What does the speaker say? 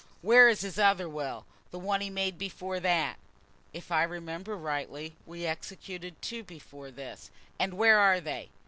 "Where is his other will, the one he made before that?" "If I remember rightly we executed two before this." "And where are they?"